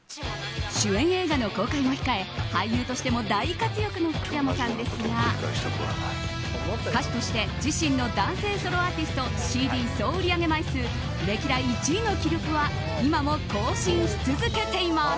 主演映画の公開も控え俳優としても大活躍の福山さんですが歌手として自身の男性ソロアーティストＣＤ総売り上げ枚数歴代１位の記録は今も更新し続けています。